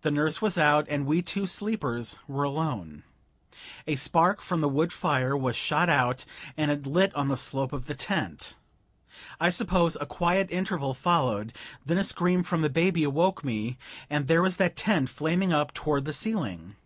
The nurse was out, and we two sleepers were alone. A spark from the wood fire was shot out, and it lit on the slope of the tent. I suppose a quiet interval followed, then a scream from the baby awoke me, and there was that tent flaming up toward the ceiling!